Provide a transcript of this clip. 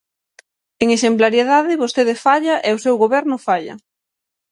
En exemplariedade vostede falla e o seu Goberno falla.